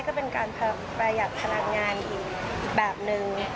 ก็เป็นการประหยัดพลังงานอีกแบบนึง